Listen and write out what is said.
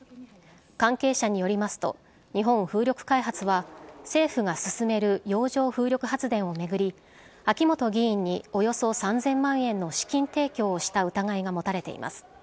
関係者によりますと日本風力開発は政府が進める洋上風力発電を巡り秋本議員におよそ３０００万円の資金提供をした疑いが持たれています。